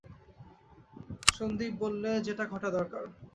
সন্দীপ বললে, যেটা ঘটা দরকার।